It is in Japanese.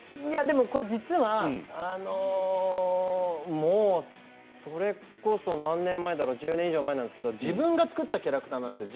これ実はそれこそ何年前だろう１０年以上前なんですけど自分が作ったキャラクターなんですよ。